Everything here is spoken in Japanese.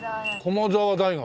駒澤大学？